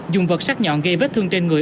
dùng vật sát nhọn gây vết thương trên người